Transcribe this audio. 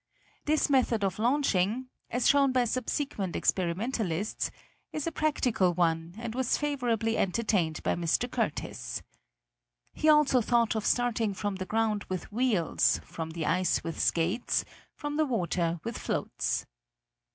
This method of launching, as shown by subsequent experimentalists, is a practical one and was favorably entertained by Mr. Curtiss. He also thought of starting from the ground with wheels, from the ice with skates, from the water with floats.